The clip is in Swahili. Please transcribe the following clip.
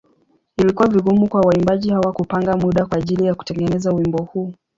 Ilikuwa vigumu kwa waimbaji hawa kupanga muda kwa ajili ya kutengeneza wimbo huu.